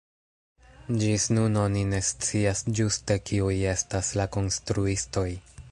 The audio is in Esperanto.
Ĝis nun oni ne scias ĝuste kiuj estas la konstruistoj.